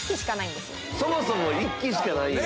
そもそも１基しかないんや。